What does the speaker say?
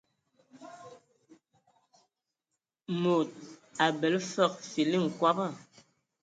Mod abələ fəg fili nkɔbɔ.